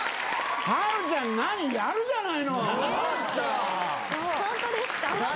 ハルちゃん何？やるじゃないの。え